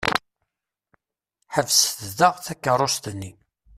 Ḥebset da takeṛṛust-nni.